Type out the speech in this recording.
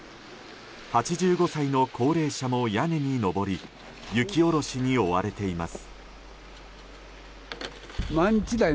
８５歳の高齢者も屋根に上り雪下ろしに追われています。